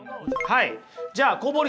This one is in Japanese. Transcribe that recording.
はい。